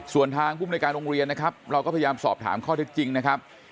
ส่วนทางภูมิในการโรงเรียนนะครับเราก็พยายามสอบถามข้อเท็จจริงนะครับ